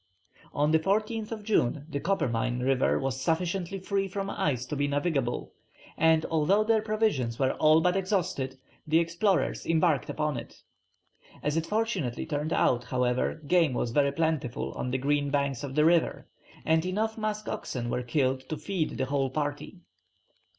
On the 14th June the Coppermine River was sufficiently free from ice to be navigable, and although their provisions were all but exhausted, the explorers embarked upon it. As it fortunately turned out, however, game was very plentiful on the green banks of the river, and enough musk oxen were killed to feed the whole party.